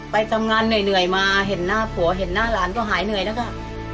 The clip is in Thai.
ไปทำงานเหนื่อยมาเห็นหน้าผัวเห็นหน้าหลานก็หายเหนื่อยแล้วก็